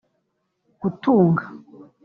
gutunga